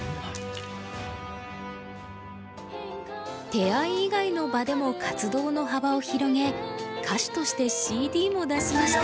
手合以外の場でも活動の幅を広げ歌手としてＣＤも出しました。